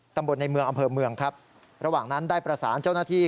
ตำบลในเมืองอำเภอเมืองครับระหว่างนั้นได้ประสานเจ้าหน้าที่